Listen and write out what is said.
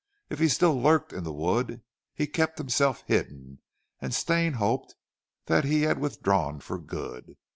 If he still lurked in the wood he kept himself hidden and Stane hoped that he had withdrawn for good.